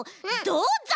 どうぞ！